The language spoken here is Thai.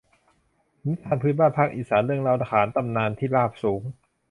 นิทานพื้นบ้านภาคอีสาน เรื่องเล่าขานตำนานที่ราบสูง